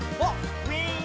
ウィン！」